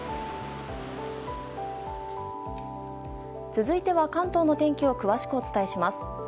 続いては関東の天気を詳しくお伝えします。